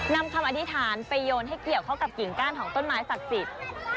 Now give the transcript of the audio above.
นำคำอธิษฐานไปโยนให้เกี่ยวเข้ากับกิ่งก้านของต้นไม้ศักดิ์สิทธิ์